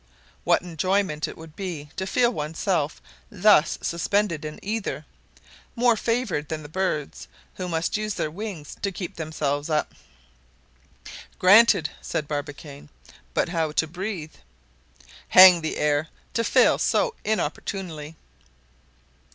What enjoyment it would be to feel oneself thus suspended in ether, more favored than the birds who must use their wings to keep themselves up!" "Granted," said Barbicane, "but how to breathe?" "Hang the air, to fail so inopportunely!"